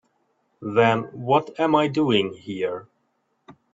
Then what am I doing here?